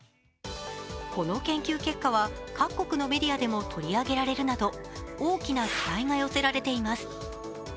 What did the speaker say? この研究結果は各国のメディアでも取り上げられるなど大きな期待が寄せられています。